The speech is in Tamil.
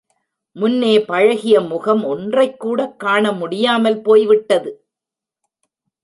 முன்னே பழகிய முகம் ஒன்றைக்கூடக் காண முடியாமல் போய்விட்டது?